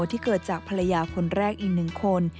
ที่เกิดจากภรรยาคนแรกอีก๑คน